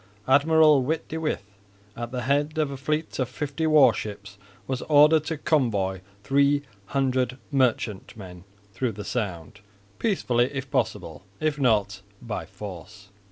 Admiral Witte de With at the head of a fleet of fifty war ships was ordered to convoy 300 merchantmen through the Sound, peacefully if possible, if not, by force.